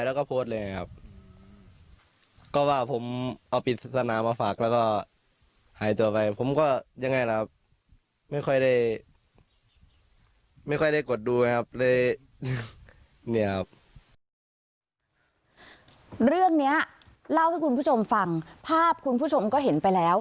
เรื่องนี้เล่าให้คุณผู้ชมฟังภาพคุณผู้ชมก็เห็นไปแล้ว